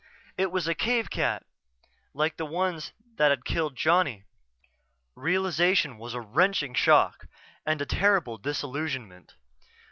It was a cave cat, like the ones that had killed Johnny. Realization was a wrenching shock and a terrible disillusionment.